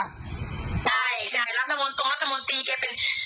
ก็ไม่รู้ว่าฟ้าจะระแวงพอพานหรือเปล่า